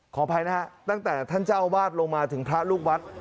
ขออภัยนะฮะตั้งแต่ท่านเจ้าอาวาสลงมาถึงพระลูกวัด